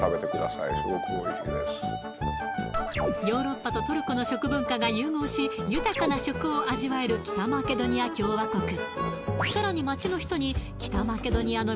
ヨーロッパとトルコの食文化が融合し豊かな食を味わえる北マケドニア共和国